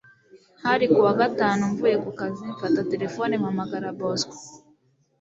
hari kuwa gatanu mvuye kukazi mfata telephone mpamaga bosco